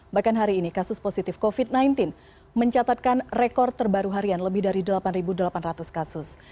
bahkan hari ini kasus positif covid sembilan belas mencatatkan rekor terbaru harian lebih dari delapan delapan ratus kasus